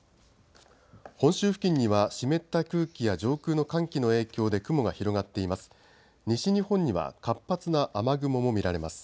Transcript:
本州付近には湿った空気や上空の寒気の影響で雲が広がっています。